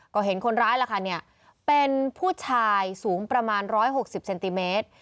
ก็เห็นคนร้ายล่ะค่ะเนี่ยเป็นผู้ชายสูงประมาณ๑๖๐เซนติเมตร